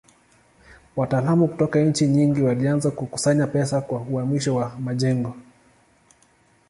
Wataalamu kutoka nchi nyingi walianza kukusanya pesa kwa uhamisho wa majengo.